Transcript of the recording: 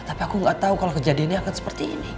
tapi aku nggak tahu kalau kejadian ini akan seperti ini